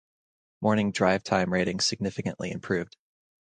Morning drive-time ratings significantly improved.